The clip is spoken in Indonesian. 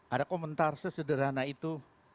ada komentar sesederhana itu